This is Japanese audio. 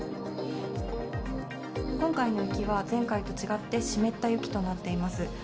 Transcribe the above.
今回の雪は、前回と違って湿った雪となっています。